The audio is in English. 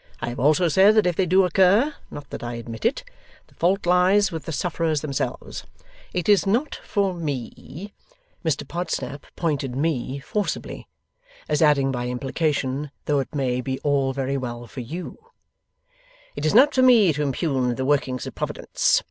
I have also said that if they do occur (not that I admit it), the fault lies with the sufferers themselves. It is not for ME' Mr Podsnap pointed 'me' forcibly, as adding by implication though it may be all very well for YOU 'it is not for me to impugn the workings of Providence.